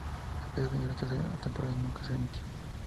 A pesar de ello la tercera temporada nunca se emitió.